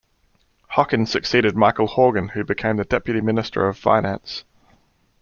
Hockin succeeded Michael Horgan who became the Deputy Minister of Finance.